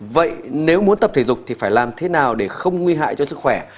vậy nếu muốn tập thể dục thì phải làm thế nào để không nguy hại cho sức khỏe